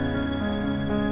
ini udah berakhir